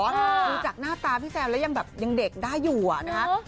ดูจากหน้าตาพี่แซมแล้วยังแบบยังเด็กได้อยู่อะนะคะ